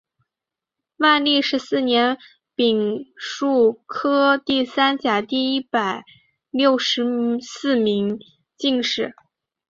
万历十四年丙戌科第三甲第一百六十四名进士。